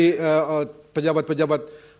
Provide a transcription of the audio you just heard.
pejabat pejabat gubernur menangkan itu